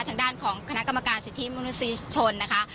ทางด้านของคณะกรรมการสิทธิมนุษยชนนะคะ